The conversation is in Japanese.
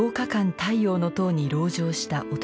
太陽の塔に籠城した男。